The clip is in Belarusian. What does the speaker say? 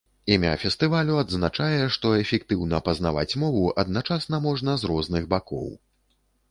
Імя фестывалю адзначае, что эфектыўна пазнаваць мову адначасна можна з розных бакоў.